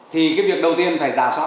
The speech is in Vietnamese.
thì cái việc đầu tiên phải ra soát